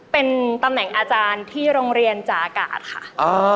เป็นตำแหน่งอาจารย์ที่โรงเรียนจากอากาศค่ะ